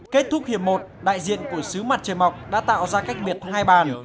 kết thúc hiệp một đại diện của xứ mặt trời mọc đã tạo ra cách biệt hai bàn